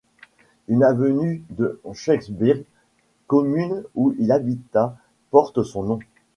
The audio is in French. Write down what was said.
Une avenue de Schaerbeek, commune où il habita, porte son nom.